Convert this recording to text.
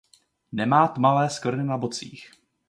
Nemá tmavé skvrny na bocích.